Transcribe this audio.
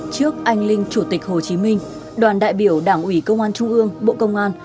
trước anh linh chủ tịch hồ chí minh đoàn đại biểu đảng ủy công an trung ương bộ công an